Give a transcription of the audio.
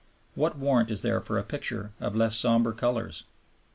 What warrant is there for a picture of less somber colors?